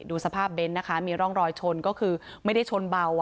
ดูสภาพเบนท์นะคะมีร่องรอยชนก็คือไม่ได้ชนเบา